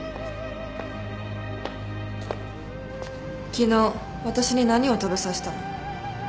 昨日私に何を食べさせたの？